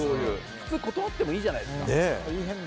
普通断ってもいいじゃないですか。